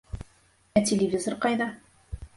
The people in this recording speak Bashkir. Ә телевизор ҡайҙа?